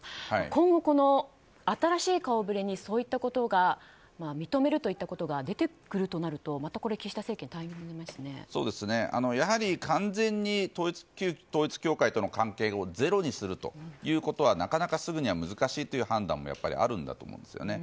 今後、新しい顔ぶれにそういったことが認めるといったことが出てくるとなると、また岸田政権やはり完全に旧統一教会との関係をゼロにするということはなかなかすぐには難しいという判断もあると思うんですね。